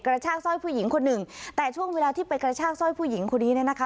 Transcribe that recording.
กระชากสร้อยผู้หญิงคนหนึ่งแต่ช่วงเวลาที่ไปกระชากสร้อยผู้หญิงคนนี้เนี่ยนะคะ